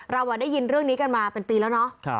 เราได้ยินเรื่องนี้กันมาเป็นปีแล้วเนาะ